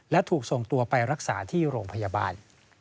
และถูกส่งตัวไปรักษาที่โรงพยาบาล